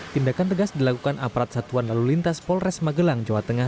tindakan tegas dilakukan aparat satuan lalu lintas polres magelang jawa tengah